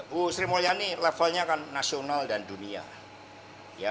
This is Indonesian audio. bu sri mulyani levelnya kan nasional dan dunia